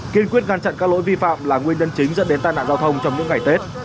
kiên quyết ngăn chặn các lỗi vi phạm là nguyên nhân chính dẫn đến tai nạn giao thông trong những ngày tết